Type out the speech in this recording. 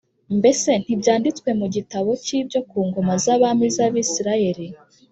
mbese ntibyanditswe mu gitabo cy’ibyo ku ngoma z’abami b’Abisirayeli?